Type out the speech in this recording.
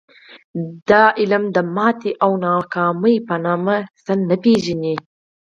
دا علم د ماتې او ناکامۍ په نامه څه نه پېژني